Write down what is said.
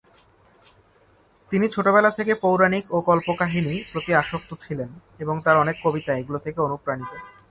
তিনি ছোটবেলা থেকে পৌরাণিক ও কল্পকাহিনি প্রতি আসক্ত ছিলেন এবং তার অনেক কবিতা এগুলো থেকে অনুপ্রাণিত।